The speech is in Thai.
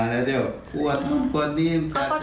แล้วเที่ยวก้วนี่